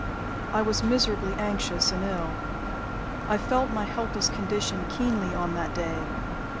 "I was miserably anxious and ill. I felt my helpless condition keenly on that day.